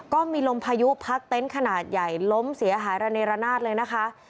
ก็มีลมพายุพัดเต็นต์ขนาดใหญ่ล้มเสียหายระเนรนาศเลยนะคะ